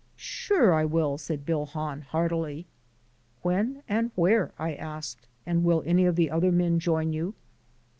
"Sure, I will," said Bill Hahn heartily. "When and where?" I asked, "and will any of the other men join you?"